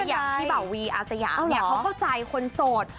อย่างพี่บ่าวีอาสยามเนี่ยเขาเข้าใจคนโสด